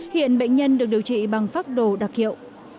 hiện bệnh nhân được điều trị bằng pháp đồ đặc hiệu